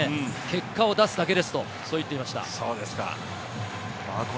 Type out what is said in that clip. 結果を出すだけですと言っていました。